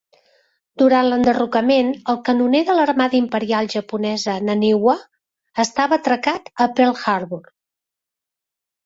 Durant l'enderrocament, el canoner de l'armada imperial japonesa Naniwa estava atracat a Pearl Harbor.